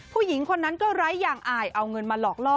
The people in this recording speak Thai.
ผู้หญิงคนนั้นก็ไร้อย่างอายเอาเงินมาหลอกล่อ